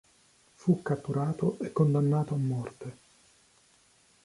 Fu catturato e condannato a morte.